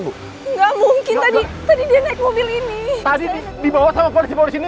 tidak mungkin tadi dia naik mobil ini tadi dibawa sama polisi polisi ini